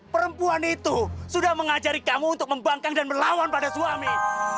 perempuan itu sudah mengajari kamu untuk membangkang dan melawan pada suami